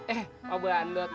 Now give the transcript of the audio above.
eh pak bandot